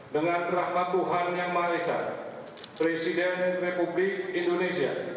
dengan rahmat tuhan yang maesah presiden republik indonesia